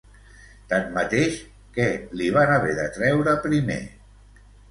Tanmateix, què li van haver de treure primer?